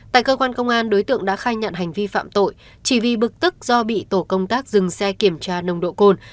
tại cơ quan công an đối tượng đã khai nhận hành vi phạm tội chỉ vì bực tức do bị tổ công tác dừng xe kiểm tra nồng độ cồn